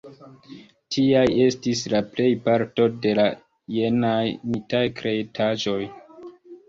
Tiaj estis la plejparto de la jenaj mitaj kreitaĵoj.